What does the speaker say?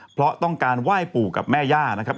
เพราะต้องการไหว้ปู่กับแม่ย่านะครับ